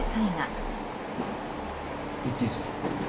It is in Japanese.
行っていいぞ。